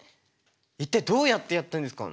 一体どうやってやってんですか？